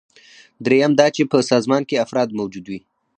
دریم دا چې په سازمان کې افراد موجود وي.